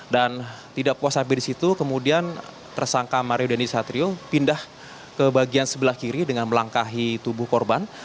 dan tidak puas sampai di situ kemudian tersangka mario dandisatrio pindah ke bagian sebelah kiri dengan melangkahi tubuh korban